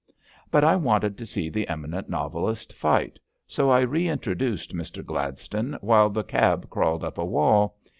But I wanted to see the eminent novelist fight, so I reintroduced Mister Gladstone while the cab crawled up a wall.